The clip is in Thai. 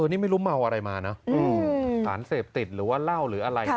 นี่ไม่รู้เมาอะไรมานะสารเสพติดหรือว่าเหล้าหรืออะไร